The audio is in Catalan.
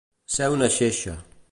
Ser una xeixa.